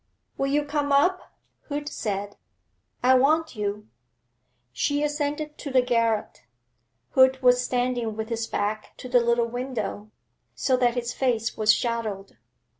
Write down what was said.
'Will you come up?' Hood said; 'I want you.' She ascended to the garret. Hood was standing with his back to the little window, so that his face was shadowed.